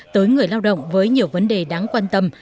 tới người lao động với nhiều vấn đề đáng quan tâm